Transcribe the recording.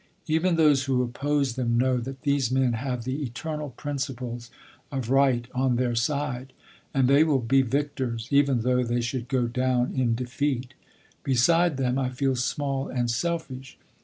Even those who oppose them know that these men have the eternal principles of right on their side, and they will be victors even though they should go down in defeat. Beside them I feel small and selfish.